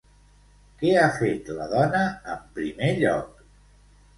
Què ha fet la dona, en primer lloc?